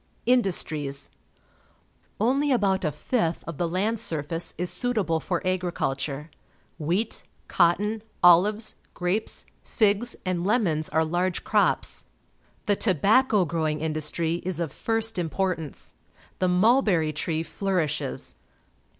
Industries. — Only about a fifth of the land surface is suitable for agriculture. Wheat, cotton, ohves, grapes, figs, and lemons are large crops. The tobacco growing EUROPEAN TURKEY 201 industry is of first importance. The mul berry tree flourishes.